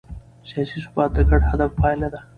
سیاسي ثبات د ګډ هدف پایله ده